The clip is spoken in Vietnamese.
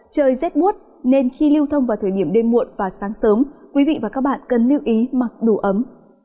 trời rét bút nên khi lưu thông vào thời điểm đêm muộn và sáng sớm quý vị và các bạn cần lưu ý mặc đủ ấm